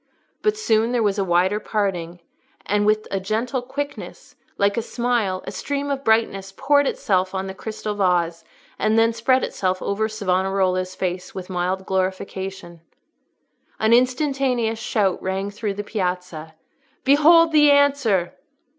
But soon there was a wider parting, and with a gentle quickness, like a smile, a stream of brightness poured itself on the crystal vase, and then spread itself over Savonarola's face with mild glorification. An instantaneous shout rang through the Piazza, "Behold the answer!"